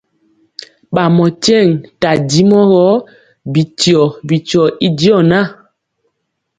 Bamɔ tyeoŋg tadimɔ bityio bityio y diɔ na.